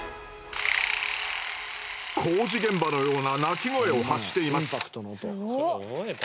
工事現場のような鳴き声を発しています。